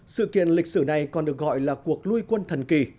sự kiện lịch sử này còn được gọi là cuộc lui quân thần kỳ